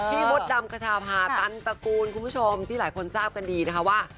มดดำขชาพาตันตระกูลคุณผู้ชมที่หลายคนทราบกันดีนะคะว่า